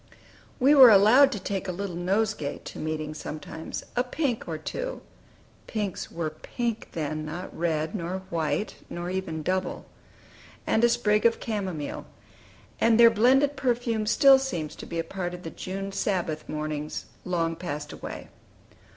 We were allowed to take a little nosegay to meeting sometimes: a pink or two (pinks were pink then, not red, nor white, nor even double) and a sprig of camomile; and their blended perfume still seems to be a part of the June Sabbath mornings long passed away.